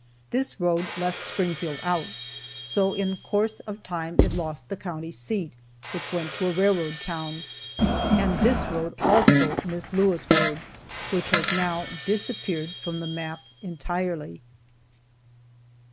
This road left Springfield out, so in course of time it lost the county seat, which went to a railroad town. And this road also missed Lewisburg, which has now disappeared from the map entirely.